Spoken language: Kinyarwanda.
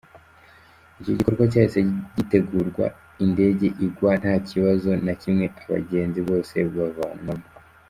Icyo gikorwa cyahise gitegurwa, indege igwa nta kibazo na kimwe abagenzi bose bavanwamo.